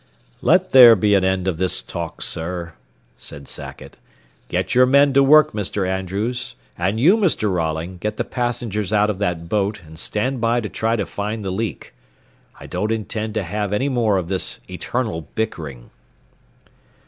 "Let there be an end of this talk, sir," said Sackett. "Get your men to work, Mr. Andrews, and you, Mr. Rolling, get the passengers out of that boat and stand by to try to find the leak. I don't intend to have any more of this eternal bickering."